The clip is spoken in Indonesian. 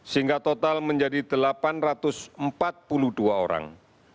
sehingga total menjadi delapan ratus empat puluh dua orang